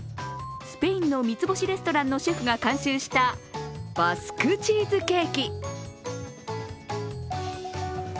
スペインの３つ星レストランのシェフが監修したバスクチーズケーキ。